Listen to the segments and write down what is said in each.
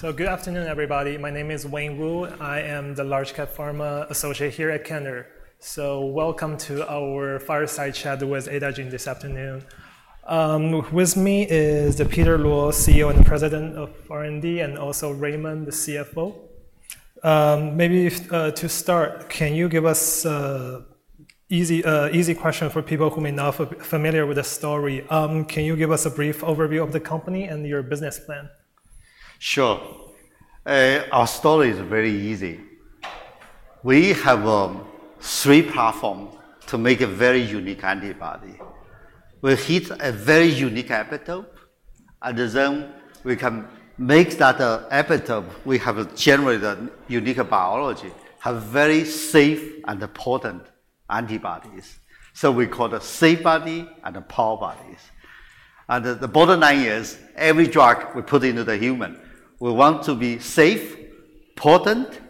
Good afternoon, everybody. My name is Wayne Wu. I am the large cap pharma associate here at Cantor Fitzgerald. Welcome to our fireside chat with Adagene this afternoon. With me is Peter Luo, CEO and president of R&D, and also Raymond, the CFO. Maybe to start, can you give us easy question for people who may not familiar with the story. Can you give us a brief overview of the company and your business plan? Sure. Our story is very easy. We have three platform to make a very unique antibody. We hit a very unique epitope, and then we can make that epitope. We have generated a unique biology, have very safe and potent antibodies. So we call the SAFEbody and the POWERbodies. And the bottom line is, every drug we put into the human, we want to be safe, potent,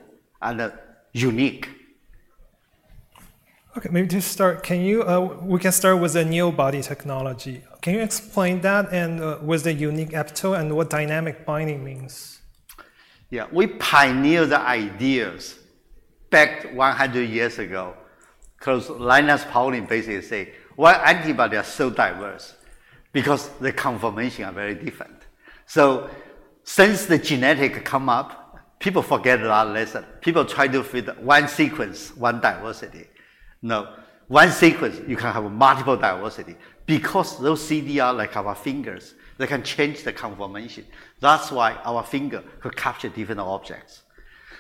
and unique. Okay, maybe to start. We can start with the NEObody technology. Can you explain that, and with the unique epitope and what dynamic binding means? Yeah. We pioneered the ideas back one hundred years ago, 'cause Linus Pauling basically say, "Why antibodies are so diverse?" Because the conformation are very different. So since the genetic come up, people forget that lesson. People try to fit one sequence, one diversity. No, one sequence, you can have multiple diversity. Because those CDR, like our fingers, they can change the conformation. That's why our finger could capture different objects.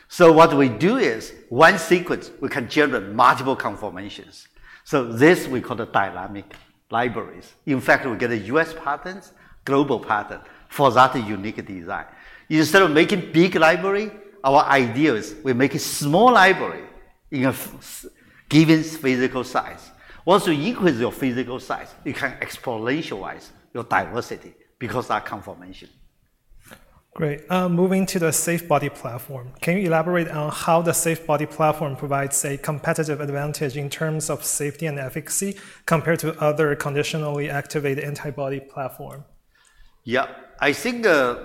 So what we do is, one sequence, we can generate multiple conformations. So this we call the dynamic libraries. In fact, we get a U.S. patent, global patent, for that unique design. Instead of making big library, our idea is we make a small library in a given physical size. Once you increase your physical size, you can exponentialize your diversity because of that conformation. Great. Moving to the SAFEbody platform, can you elaborate on how the SAFEbody platform provides a competitive advantage in terms of safety and efficacy compared to other conditionally activated antibody platform? Yeah. I think the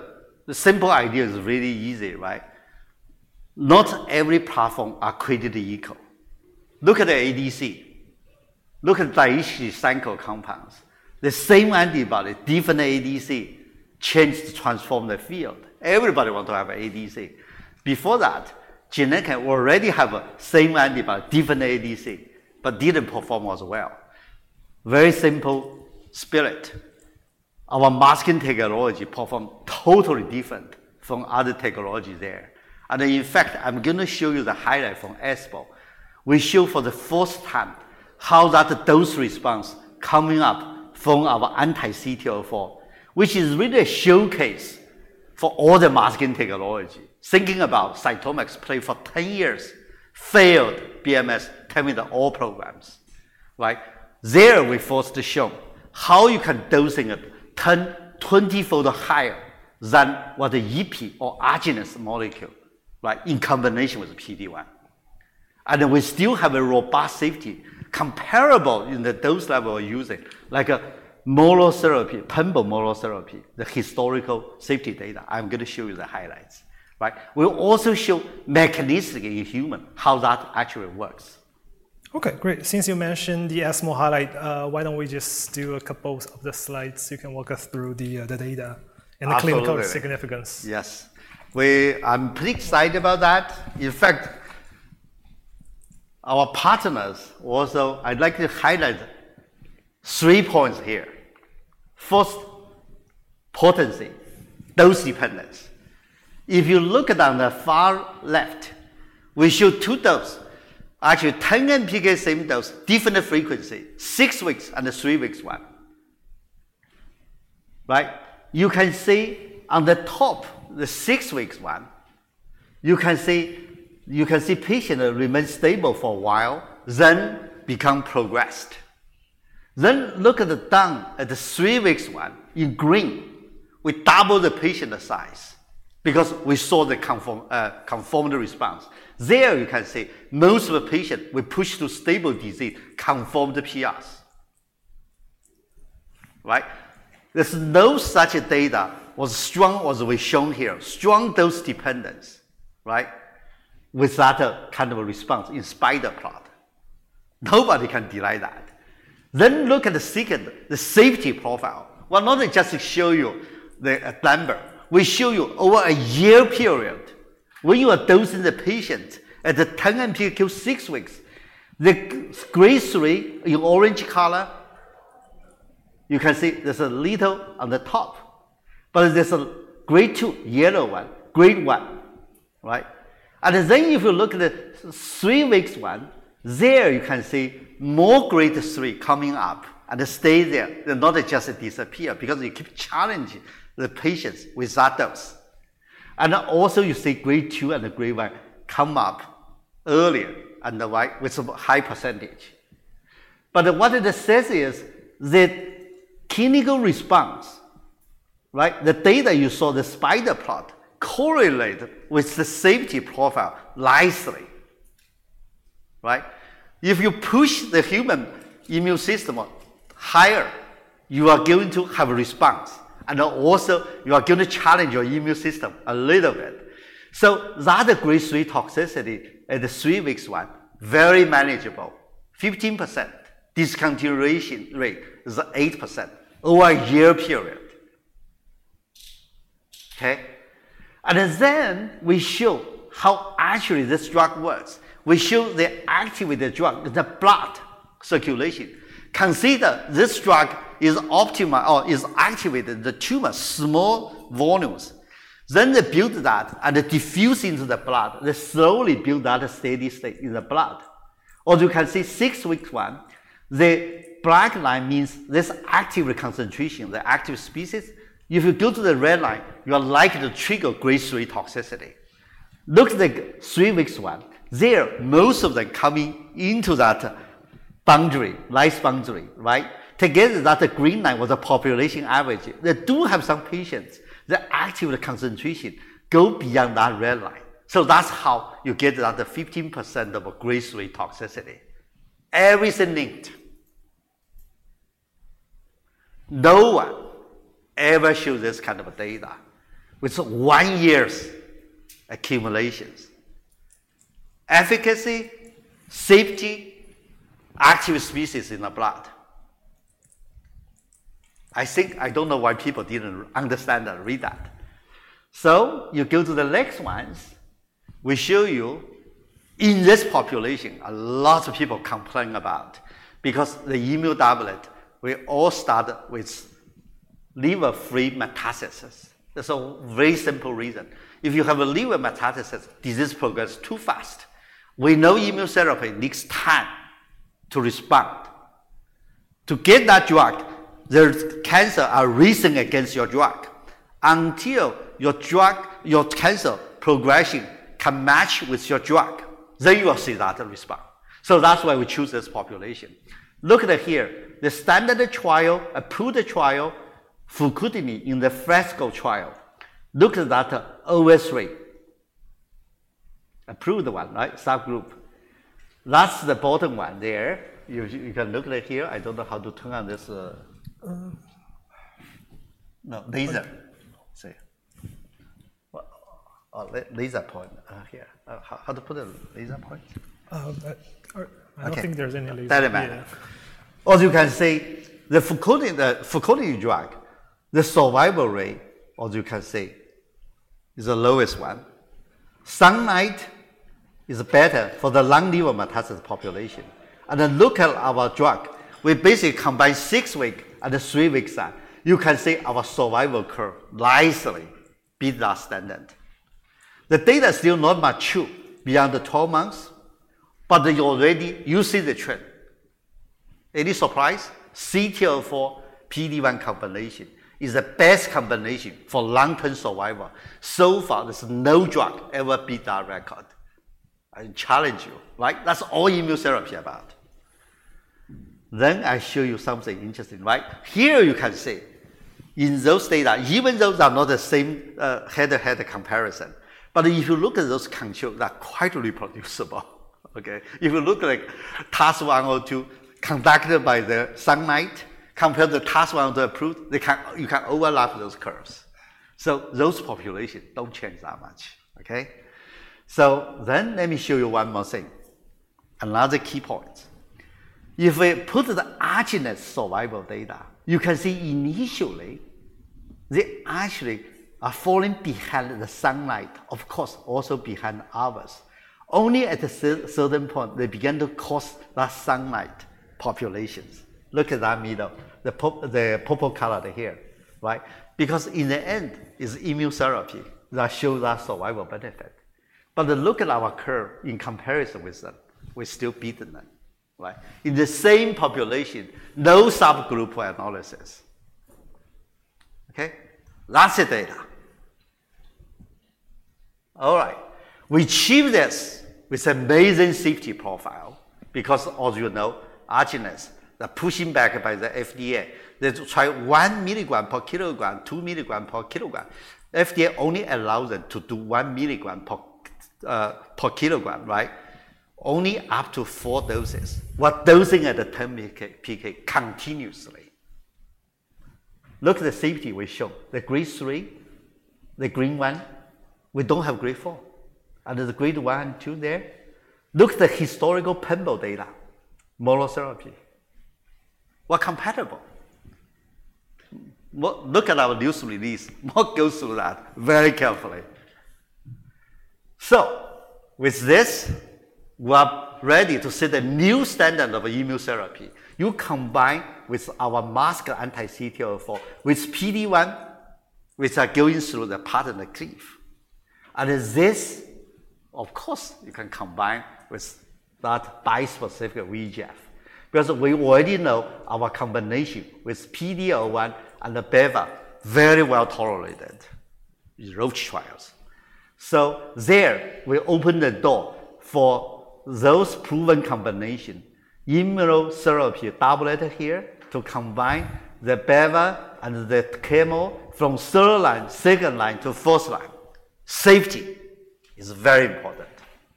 simple idea is really easy, right? Not every platform are created equal. Look at the ADC. Look at Daiichi Sankyo compounds. The same antibody, different ADC, changed, transformed the field. Everybody want to have ADC. Before that, Genentech already have a same antibody, different ADC, but didn't perform as well. Very simple spirit. Our masking technology performed totally different from other technology there. And in fact, I'm going to show you the highlight from ESMO. We show for the first time how that dose response coming up from our anti-CTLA-4, which is really a showcase for all the masking technology. Thinking about CytomX play for 10 years, failed BMS, terminated all programs, right? Then we are forced to show how you can dosing it 10, 20-fold higher than what the Ipi or Agenus molecule, like in combination with PD-1. We still have a robust safety comparable in the dose level we're using, like a monotherapy, pembro monotherapy, the historical safety data. I'm going to show you the highlights, right? We'll also show mechanistically in human how that actually works. Okay, great. Since you mentioned the ESMO highlight, why don't we just do a couple of the slides, so you can walk us through the data- Absolutely... and the clinical significance. Yes. We- I'm pretty excited about that. In fact, our partners also, I'd like to highlight three points here. First, potency, dose dependence. If you look at on the far left, we show two dose. Actually, 10 mg same dose, different frequency, six weeks and a three weeks one, right? You can see on the top, the six weeks one, you can see, you can see patient remains stable for a while, then become progressed. Then look at the down, at the three weeks one, in green. We double the patient size because we saw the confirmed confirmed response. There you can see most of the patient were pushed to stable disease, confirmed PRs, right? There's no such data was strong as we've shown here, strong dose dependence, right? With that kind of a response in spider plot. Nobody can deny that. Then look at the second, the safety profile. Well, not just to show you the number. We show you over a year period, when you are dosing the patient at the 10 mg six weeks, the Grade 3 in orange color, you can see there's a little on the top, but there's a Grade 2, yellow one, Grade 1, right? And then if you look at the three weeks one, there you can see more Grade 3 coming up and stay there. They not just disappear, because you keep challenging the patients with that dose. And also, you see Grade 2 and Grade 1 come up earlier on the right with a high percentage. But what it says is the clinical response, right, the data you saw, the spider plot, correlate with the safety profile nicely.... Right? If you push the human immune system up higher, you are going to have a response, and also, you are going to challenge your immune system a little bit, so that Grade 3 toxicity at the three weeks one, very manageable. 15% discontinuation rate is 8% over a year period. Okay, and then we show how actually this drug works. We show the active drug, the blood circulation. Consider this drug is optimal or is activated, the tumor, small volumes. Then they build that, and it diffuse into the blood. They slowly build that steady state in the blood. As you can see, six weeks one, the black line means this active concentration, the active species. If you go to the red line, you are likely to trigger Grade 3 toxicity. Look at the three weeks one. There, most of them coming into that boundary, nice boundary, right? Together, that green line was a population average. They do have some patients, the active concentration go beyond that red line. So that's how you get that 15% of Grade 3 toxicity. Everything linked. No one ever showed this kind of data with one year's accumulations. Efficacy, safety, active species in the blood. I think, I don't know why people didn't understand or read that. So you go to the next ones. We show you, in this population, a lot of people complain about because the immunotherapy, we all start with liver-free metastasis. There's a very simple reason. If you have a liver metastasis, disease progress too fast. We know immunotherapy needs time to respond. To get that drug, the cancer are racing against your drug. Until your drug, your cancer progression can match with your drug, then you will see that response. So that's why we choose this population. Look at here, the standard trial, approved trial, fruquintinib in the FRESCO trial. Look at that OS rate. Approved the one, right? Subgroup. That's the bottom one there. You can look at it here. I don't know how to turn on this. Um. No, laser. See. Well, oh, laser point here. How to put a laser point? Um, uh, uh- Okay. I don't think there's any laser. Doesn't matter. As you can see, the fruquintinib drug, the survival rate, as you can see, is the lowest one. SUNLIGHT is better for the lung liver metastasis population. And then look at our drug. We basically combine six weeks and the three weeks out. You can see our survival curve nicely beat the standard. The data is still not mature beyond the twelve months, but you already, you see the trend. Any surprise? OncoC4, PD-1 combination is the best combination for long-term survival. So far, there's no drug ever beat that record. I challenge you, right? That's all immunotherapy about. Then I show you something interesting, right? Here you can see, in those data, even those are not the same, head-to-head comparison, but if you look at those controls, they're quite reproducible, okay? If you look at TAS-102, conducted by the SUNLIGHT, compare the TAS-102 approved, you can overlap those curves. So those populations don't change that much, okay? So then let me show you one more thing, another key point. If we put the Agenus survival data, you can see initially, they actually are falling behind the SUNLIGHT, of course, also behind ours. Only at a certain point, they begin to cross that SUNLIGHT population. Look at that middle, the purple color here, right? Because in the end, it's immunotherapy that shows that survival benefit. But look at our curve in comparison with them. We're still beating them, right? In the same population, no subgroup analysis. Okay? Lots of data. All right, we achieve this with amazing safety profile because as you know, Agenus, they're pushing back by the FDA. They try one milligram per kilogram, two milligrams per kilogram. FDA only allows them to do one milligram per per kilogram, right? Only up to four doses. We're dosing at the 10 mg per kg continuously. Look at the safety we show, the Grade 3, the green one. We don't have Grade 4. And the Grade 1 and Grade 2 there, look at the historical pembro data, monotherapy. We're compatible. Look at our news release. We'll go through that very carefully. With this, we're ready to set a new standard of immunotherapy. You combine with our masked anti-CTLA-4, with PD-1, which are going through part 1 in the clinic. And this, of course, you can combine with that bispecific VEGF, because we already know our combination with PD-L1 and the beva, very well tolerated in Roche trials. There, we open the door for those proven combination, immunotherapy doublet here, to combine the beva and the chemo from third line, second line to fourth line. Safety is very important,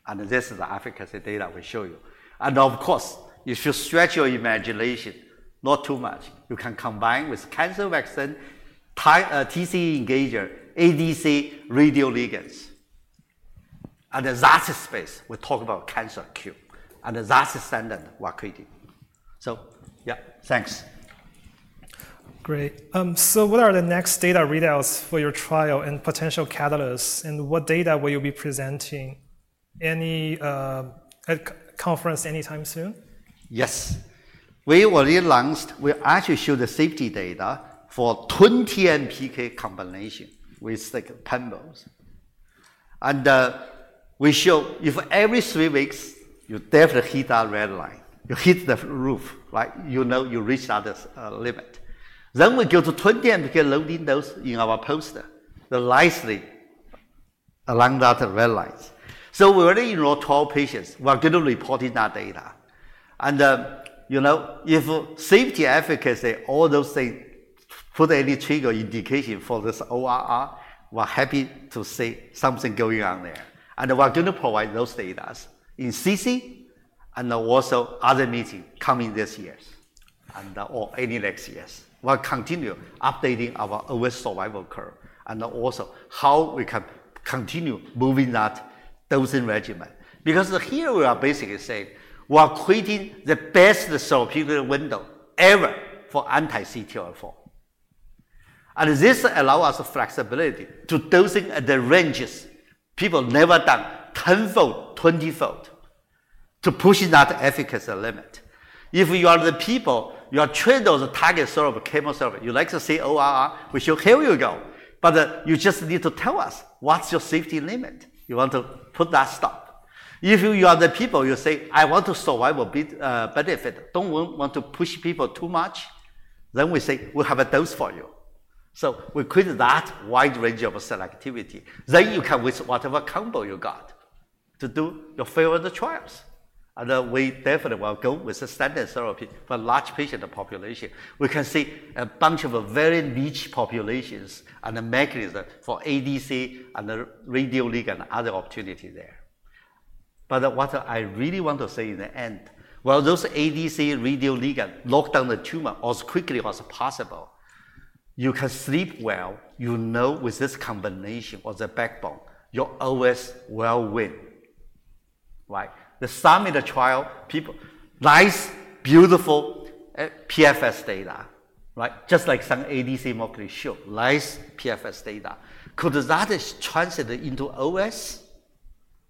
and this is the efficacy data we show you. Of course, you should stretch your imagination, not too much. You can combine with cancer vaccine, ti-, TCE engager, ADC radioligands. That's the space we talk about cancer cure, and that's the standard we're creating. Yeah, thanks. Great. So what are the next data readouts for your trial and potential catalysts, and what data will you be presenting any at conference anytime soon? Yes. We already announced, we actually showed the safety data for 20 MPK combination with, like, combos. And we show if every three weeks, you definitely hit that red line. You hit the roof, right? You know you reached at this limit. Then we go to 20 MPK, and we can loading those in our poster, the nicely along that red lines. So we already enrolled 12 patients. We are gonna report in that data. And you know, if safety efficacy, all those things, put any trigger indication for this ORR, we're happy to see something going on there. And we're gonna provide those data in SITC, and also other meeting coming this years, and, or any next years. We'll continue updating our OS survival curve, and also how we can continue moving that dosing regimen. Because here we are basically saying, we are creating the best therapeutic window ever for anti-CTLA-4, and this allow us flexibility to dosing at the ranges people never done, 10-fold, 20-fold, to pushing that efficacy limit. If you are the people, you are trade those target sort of chemo sort of, you like to say, "ORR," we say, "Okay, here you go," but you just need to tell us what's your safety limit. You want to put that stop. If you are the people, you say, "I want to survival be benefit. Don't want to push people too much," then we say, "We have a dose for you," so we create that wide range of selectivity, then you come with whatever combo you got to do your further trials, and we definitely will go with the standard therapy for large patient population. We can see a bunch of very niche populations and a mechanism for ADC and the radioligand, other opportunity there. But what I really want to say in the end, while those ADC radioligand lock down the tumor as quickly as possible, you can sleep well, you know with this combination as a backbone, your OS will win, right? The summary of the trial, people, nice, beautiful, PFS data, right? Just like some ADC molecule show, nice PFS data. Could that is translated into OS?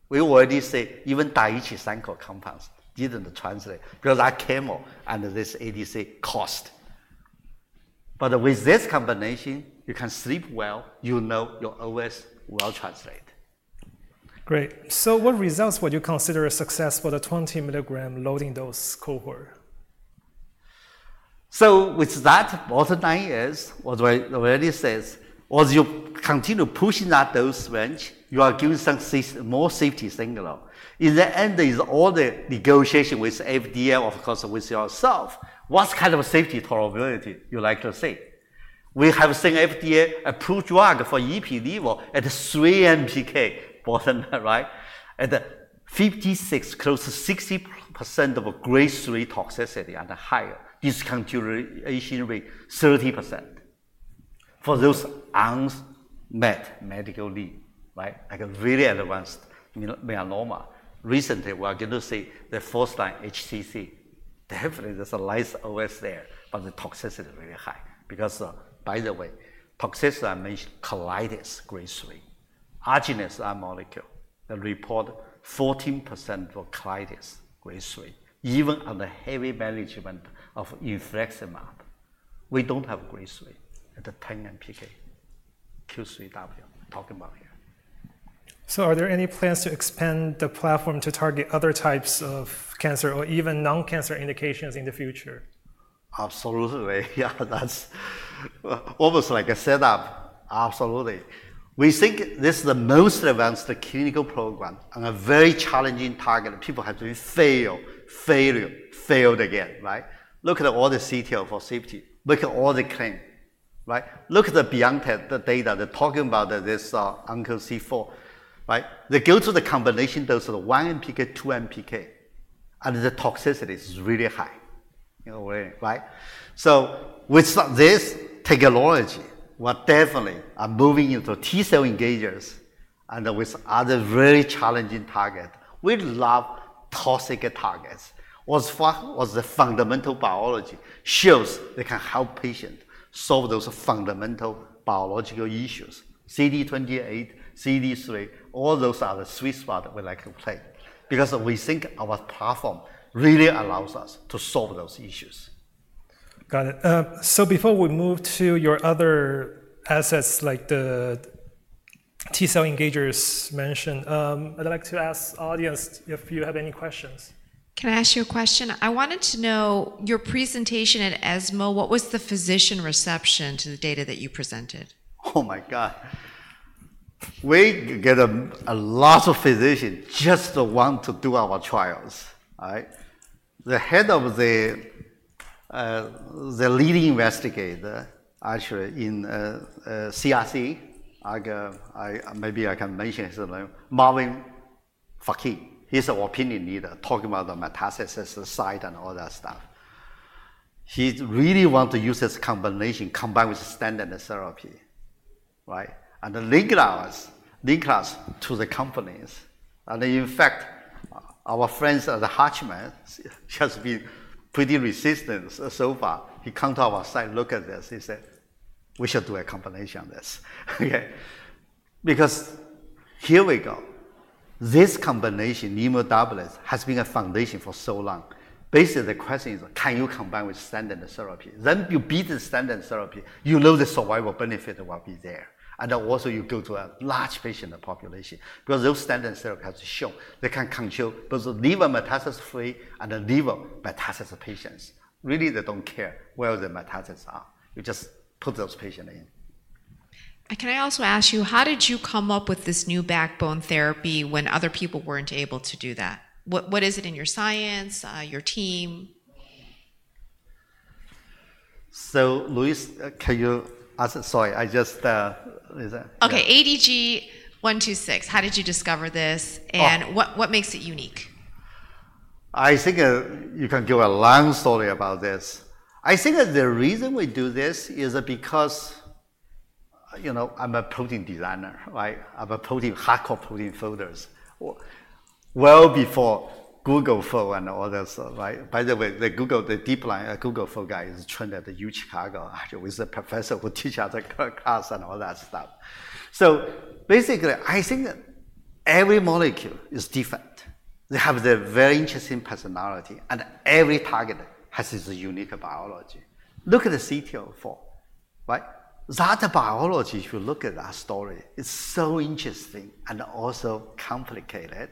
We already say even Daiichi Sankyo compounds didn't translate because that chemo and this ADC cost. But with this combination, you can sleep well. You know your OS will translate. Great. So what results would you consider a success for the 20-milligram loading dose cohort? So with that, all the time, yes, what I already says, as you continue pushing that dose range, you are giving some safety, more safety signal. In the end, there is all the negotiation with FDA, of course, with yourself. What kind of safety tolerability you like to see? We have seen FDA-approved drug for Ipi label at 3 mg/kg, more than right? At 56%, close to 60% of Grade three toxicity and higher, discontinuation rate 30%. For those unmet medical need, right? Like a very advanced melanoma. Recently, we are going to see the first-line HCC. Definitely, there's a nice OS there, but the toxicity is very high because, by the way, toxicity, I mentioned colitis, Grade three. Agenus molecule, they report 14% for colitis, Grade three, even on the heavy management of infliximab. We don't have Grade 3 at the 10 MPK Q3W we're talking about here. So are there any plans to expand the platform to target other types of cancer or even non-cancer indications in the future? Absolutely. Yeah, that's almost like a set-up. Absolutely. We think this is the most advanced clinical program on a very challenging target, and people have really failed, failed again, right? Look at all the CTLA-4 for safety. Look at all the claim, right? Look at the BioNTech, the data, they're talking about this, OncoC4, right? They go through the combination, those are 1 mg/kg, 2 mg/kg, and the toxicity is really high. You know where, right? So with this technology, we definitely are moving into T-cell engagers and with other very challenging target. We love toxic targets. As far as the fundamental biology shows they can help patient solve those fundamental biological issues. CD28, CD3, all those are the sweet spot we like to play because we think our platform really allows us to solve those issues. Got it. So before we move to your other assets, like the T cell engagers mentioned, I'd like to ask audience if you have any questions? Can I ask you a question? I wanted to know, your presentation at ESMO, what was the physician reception to the data that you presented? Oh, my God! We get a lot of physicians just want to do our trials, all right? The leading investigator, actually, in CRC, maybe I can mention his name, Marwan Fakih. He's an opinion leader, talking about the metastasis site and all that stuff. He really want to use this combination combined with standard therapy, right? And he links us to the companies. And in fact, our friends at HUTCHMED, he has been pretty resistant so far. He come to our site, look at this, he said, "We should do a combination on this." Okay. Because here we go. This combination, immuno doublet, has been a foundation for so long. Basically, the question is, can you combine with standard therapy? Then you beat the standard therapy, you know the survival benefit will be there. Also, you go to a large patient population, because those standard therapy has shown they can control those liver metastasis-free and liver metastasis patients. Really, they don't care where the metastases are. You just put those patients in. Can I also ask you, how did you come up with this new backbone therapy when other people weren't able to do that? What is it in your science, your team? So, Louise, can you... Sorry, I just, is that- Okay, ADG126, how did you discover this? Oh. and what, what makes it unique? I think, you can give a long story about this. I think that the reason we do this is because, you know, I'm a protein designer, right? I'm a protein, hardcore protein folder. Well before AlphaFold and all that stuff, right? By the way, the Google, the DeepMind, AlphaFold guy is trained at U Chicago. Actually, he was a professor who teach at the class and all that stuff. So basically, I think that every molecule is different. They have their very interesting personality, and every target has its unique biology. Look at the CTLA-4, right? That biology, if you look at that story, it's so interesting and also complicated.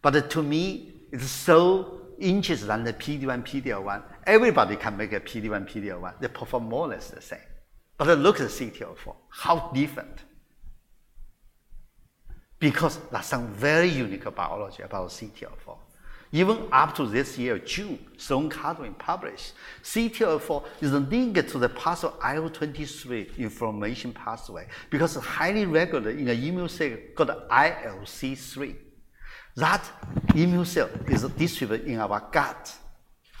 But to me, it's so interesting than the PD-1, PD-L1. Everybody can make a PD-1, PD-L1. They perform more or less the same. But look at CTLA-4, how different. Because there's some very unique biology about CTLA-4. Even up to this year, June, Sloan Kettering published, CTLA-4 is linked to the pathway IL-23 inflammation pathway because it's highly regulated in an immune cell called ILC3. That immune cell is distributed in our gut,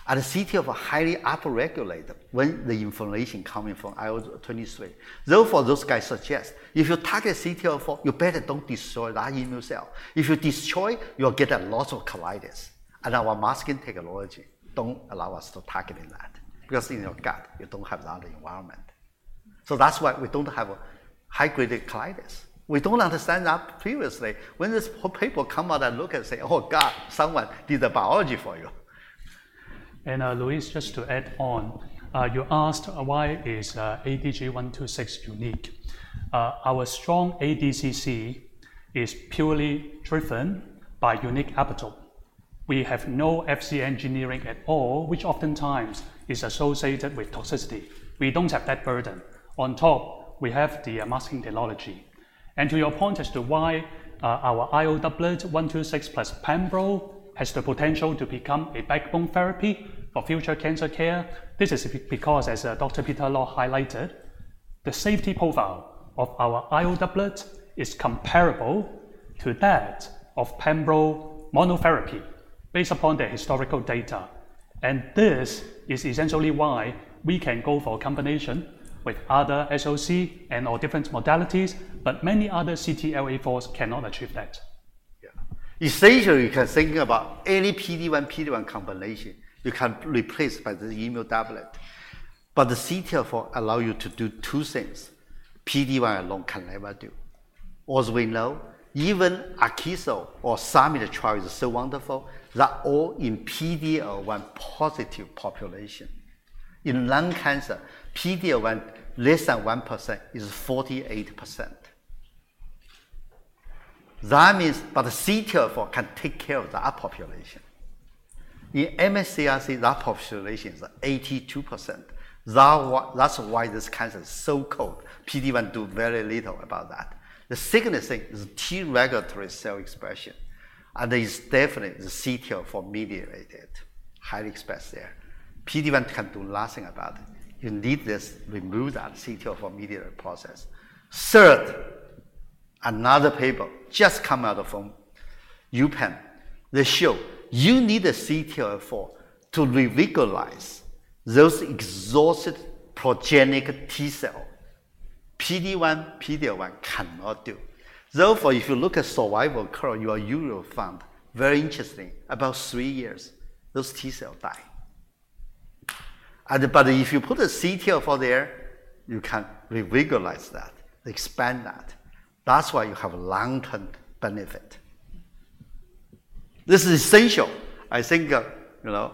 and the CTL are highly upregulated when the inflammation coming from IL-23. Therefore, those guys suggest, if you target CTLA-4, you better don't destroy that immune cell. If you destroy, you'll get a lot of colitis, and our masking technology don't allow us to targeting that because in your gut, you don't have that environment. So that's why we don't have a high-Grade colitis. We don't understand that previously. When these people come out and look and say, "Oh, God, someone did the biology for you. Louise, just to add on, you asked why is ADG126 unique? Our strong ADCC is purely driven by unique epitope. We have no Fc engineering at all, which oftentimes is associated with toxicity. We don't have that burden. On top, we have the unmasking technology. And to your point as to why our IO doublet 126 plus pembro has the potential to become a backbone therapy for future cancer care, this is because, as Dr. Peter Luo highlighted, the safety profile of our IO doublet is comparable to that of pembro monotherapy based upon the historical data. And this is essentially why we can go for a combination with other SOC and/or different modalities, but many other CTLA-4s cannot achieve that. Yeah. Essentially, you can think about any PD-1, PD-1 combination, you can replace by the immuno doublet. But the CTLA-4 allow you to do two things PD-1 alone can never do. As we know, even Keytruda or some of the trial is so wonderful, they're all in PD-L1 positive population. In lung cancer, PD-L1 less than 1% is 48%. That means... But the CTLA-4 can take care of that population. In MSS CRC, that population is 82%. That's why this cancer is so cold. PD-1 do very little about that. The second thing is T-regulatory cell expression, and it's definitely the CTLA-4 mediated, highly expressed there. PD-1 can do nothing about it. You need this, remove that CTLA-4 mediated process. Third, another paper just come out from UPenn. They show you need a CTLA-4 to reinvigorate those exhausted progenitor T-cell. PD-1, PD-L1 cannot do. Therefore, if you look at survival curve, you will find very interesting, about three years, those T-cell die. But if you put a CTLA-4 there, you can reinvigorate that, expand that. That's why you have long-term benefit. This is essential, I think, you know.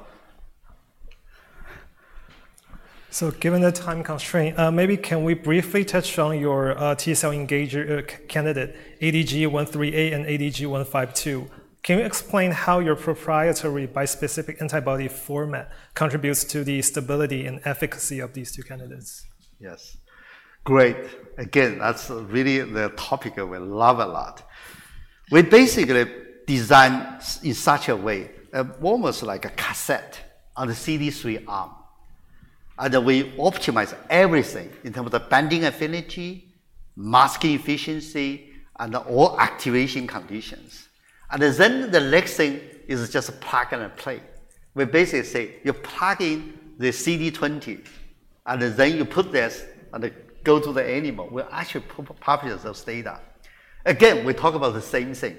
Given the time constraint, maybe can we briefly touch on your T-cell engager candidate, ADG138 and ADG152? Can you explain how your proprietary bispecific antibody format contributes to the stability and efficacy of these two candidates? Yes. Great. Again, that's really the topic we love a lot. We basically design in such a way, almost like a cassette on the CD3 arm, and we optimize everything in terms of the binding affinity, masking efficiency, and all activation conditions. And then the next thing is just plug and play. We basically say, "You plug in the CD20, and then you put this, and it go to the animal." We actually publish those data. Again, we talk about the same thing.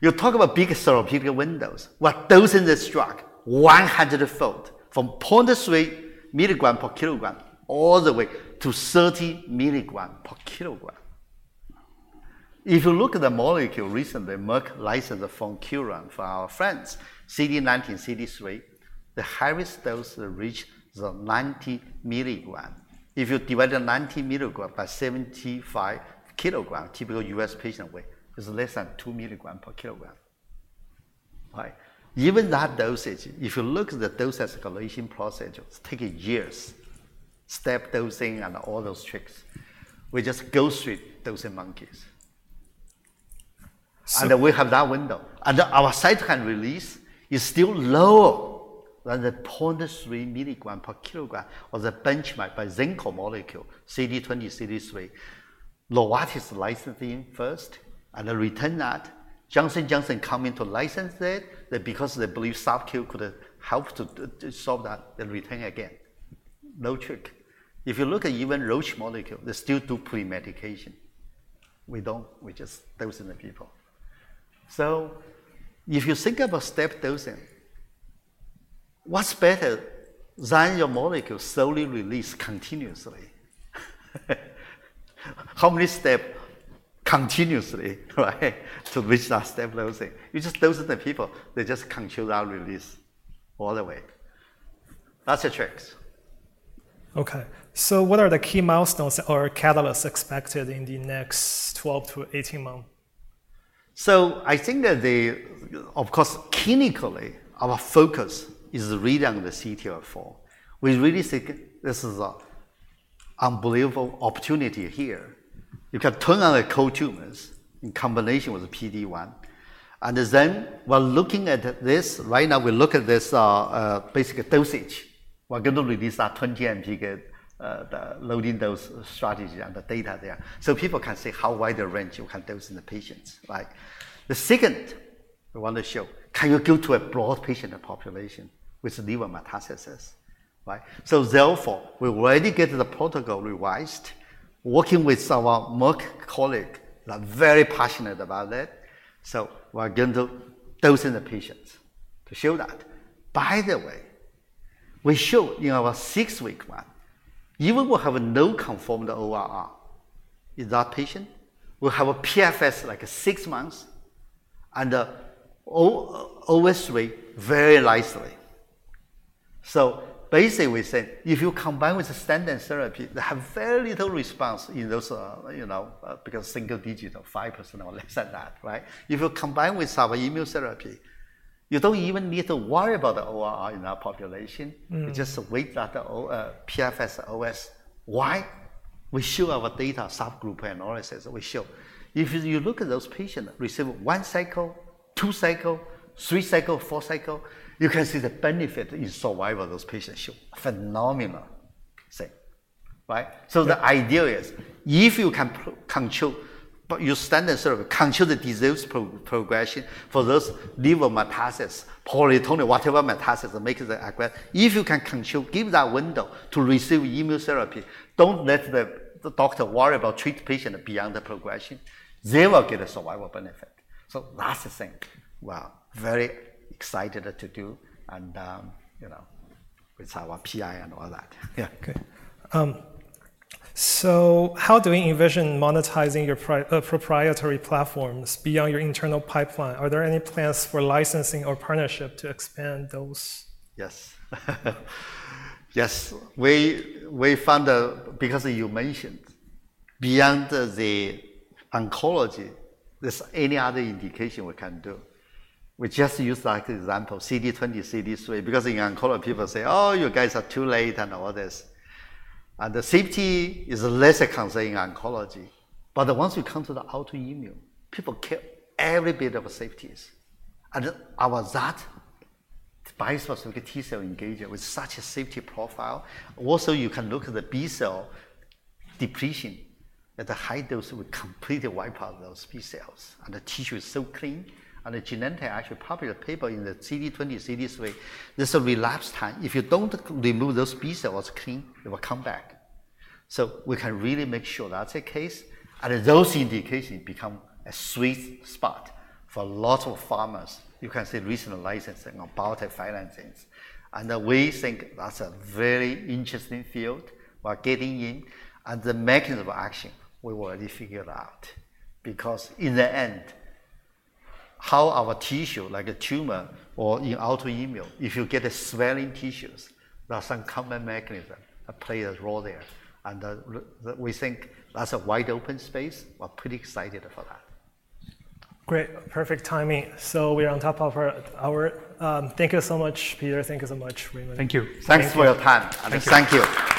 You talk about big therapeutic windows. Well, dosing this drug one hundredfold, from 0.3 milligram per kilogram all the way to 30 milligram per kilogram. If you look at the molecule, recently, Merck licensed from Curon, from our friends, CD19, CD3, the highest dose reached the 90 milligram. If you divide the 90 mg by 75 kg, typical U.S. patient weight, it's less than 2 mg per kg. Right? Even that dosage, if you look at the dose escalation procedure, it's taking years, step dosing and all those tricks. We just go straight dosing monkeys. So- And we have that window, and our cytokine release is still lower than the 0.3 milligram per kilogram or the benchmark by Xencor molecule, CD20, CD3. Novartis licensed it first, and they returned that. Johnson & Johnson come in to license it, then because they believe SAFEbody could help to solve that, they return again. No trick. If you look at even Roche molecule, they still do pre-medication. We don't. We just dose in the people. So if you think about step dosing, what's better than your molecule slowly release continuously? How many step continuously, right, to reach that step dosing? You just dose it in the people. They just control that release all the way. That's the tricks. Okay, so what are the key milestones or catalysts expected in the next twelve to eighteen months? So I think that. Of course, clinically, our focus is really on the CTLA-4. We really think this is an unbelievable opportunity here. You can turn on the cold tumors in combination with PD-1, and then we're looking at this. Right now, we look at this basic dosage. We're going to release that 20 mg, the loading dose strategy and the data there, so people can see how wide a range you can dose in the patients, right? The second we want to show, can you go to a broad patient population with liver metastasis, right? So therefore, we already get the protocol revised, working with our Merck colleague, are very passionate about it. So we're going to dose in the patients to show that. By the way, we show in our six-week one, even we have no confirmed ORR in that patient, we have a PFS, like, six months, and OS rate very nicely. So basically, we say, if you combine with the standard therapy, they have very little response in those, you know, because single digit or 5% or less than that, right? If you combine with our immunotherapy, you don't even need to worry about the ORR in our population. Mm. You just wait that PFS, OS. Why? We show our data, subgroup analysis, we show. If you look at those patients receive one cycle, two cycle, three cycle, four cycle, you can see the benefit in survival those patients show. Phenomenal thing, right? Yeah. So the idea is, if you can control, but your standard therapy control the disease progression for those liver metastasis, pulmonary, whatever metastasis that makes it aggressive, if you can control, give that window to receive immunotherapy, don't let the doctor worry about treat the patient beyond the progression, they will get a survival benefit. So that's the thing. We are very excited to do and, you know, with our PI and all that. Yeah. Okay. So how do we envision monetizing your proprietary platforms beyond your internal pipeline? Are there any plans for licensing or partnership to expand those? Yes. Yes. We found, because you mentioned, beyond the oncology, there's any other indication we can do. We just use, like, the example, CD20, CD3, because in oncology, people say, "Oh, you guys are too late," and all this. And the safety is less a concern in oncology. But once you come to the autoimmune, people care every bit of safeties. And our that bispecific T-cell engager with such a safety profile. Also, you can look at the B-cell depletion, at the high dose, we completely wipe out those B-cells, and the tissue is so clean. And the Genentech actually published a paper in the CD20, CD3. There's a relapse time. If you don't remove those B-cells clean, it will come back. So we can really make sure that's the case, and those indications become a sweet spot for a lot of pharmas. You can see recent licensing or biotech financings, and we think that's a very interesting field. We're getting in, and the mechanism of action, we already figured out, because in the end, how our tissue, like a tumor or in autoimmune, if you get a swelling tissues, there are some common mechanism that play a role there, and we think that's a wide-open space. We're pretty excited for that. Great. Perfect timing, so we are at the top of our hour. Thank you so much, Peter. Thank you so much, Raymond. Thank you. Thanks for your time. Thank you. Thank you.